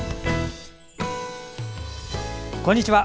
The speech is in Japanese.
こんにちは。